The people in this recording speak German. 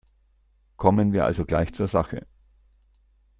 Kommen wir also gleich zur Sache.